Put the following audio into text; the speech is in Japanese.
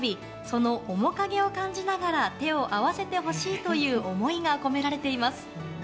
その面影を感じながら手を合わせてほしいという思いが込められています。